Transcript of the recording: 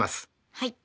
はい。